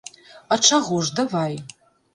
А чаго ж, давай.